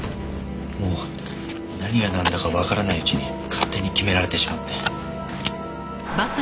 もう何がなんだかわからないうちに勝手に決められてしまって。